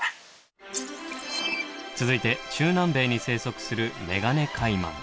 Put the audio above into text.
続いて中南米に生息するメガネカイマン。